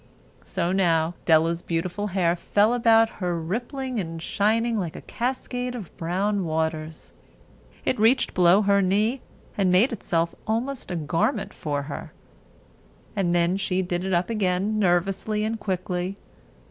So now Della's beautiful hair fell about her rippling and shining like a cascade of brown waters. It reached below her knee and made itself almost a garment for her. And then she did it up again nervously and quickly.